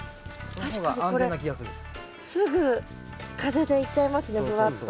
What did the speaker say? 確かにこれすぐ風でいっちゃいますねふわっと。